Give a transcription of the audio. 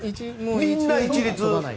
みんな一律です。